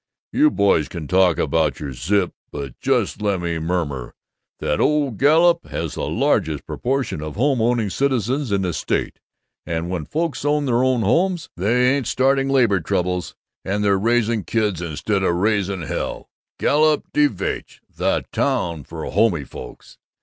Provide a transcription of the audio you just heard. You boys can talk about your zip, but jus' lemme murmur that old Galop has the largest proportion of home owning citizens in the state; and when folks own their homes, they ain't starting labor troubles, and they're raising kids instead of raising hell! Galop de Vache! The town for homey folks!